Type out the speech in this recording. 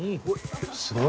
すごいね。